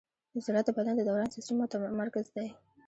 زړه د بدن د دوران سیسټم مرکز دی.